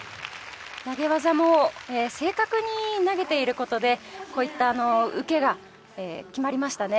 投げ技も正確に投げている事でこういった受けが決まりましたね。